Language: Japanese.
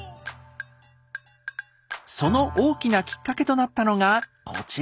その大きなきっかけとなったのがこちら。